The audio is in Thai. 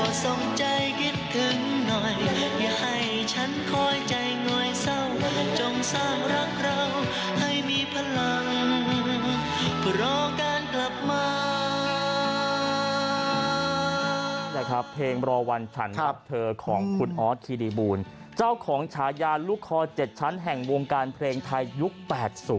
แหละครับเพลงรอวันฉันรับเธอของคุณออสคิริบูลเจ้าของฉายาลูกคอ๗ชั้นแห่งวงการเพลงไทยยุค๘๐